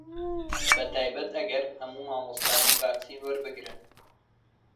بەتایبەت ئەگەر هەموو مامۆستایان ڤاکسین وەربگرن